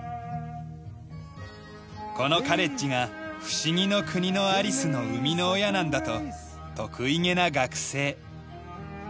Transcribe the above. このカレッジが『不思議の国のアリス』の生みの親なんだと得意げな学生。